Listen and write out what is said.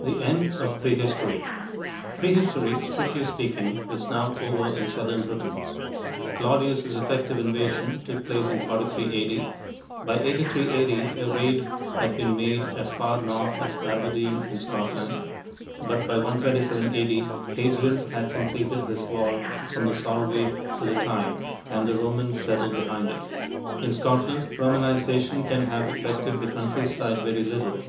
THE END OF PREHISTORY Prehistory, strictly speaking, is now over in southern Britain. Claudius' effective invasion took place in 43 A.D.; by 83 A.D., a raid had been made as far north as Aberdeen in Scotland. But by 127 A.D., Hadrian had completed his wall from the Solway to the Tyne, and the Romans settled behind it. In Scotland, Romanization can have affected the countryside very little.